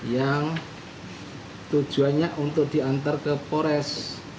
yang tujuannya untuk diantar ke pores